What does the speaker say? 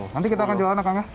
nanti kita akan jualan kak